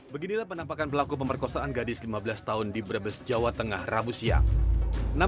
beginilah penampakan pelaku pemerkosaan gadis lima belas tahun di brebes jawa tengah rabu siang